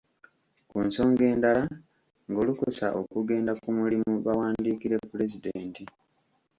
Ku nsonga endala ng'olukusa okugenda ku mulimu bawandiikire Pulezidenti.